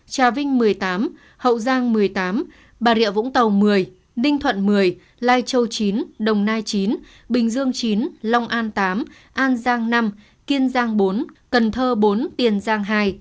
trà vinh một mươi tám hậu giang một mươi tám bà rịa vũng tàu một mươi ninh thuận một mươi lai châu chín đồng nai chín bình dương chín long an tám an giang năm kiên giang bốn cần thơ bốn tiền giang hai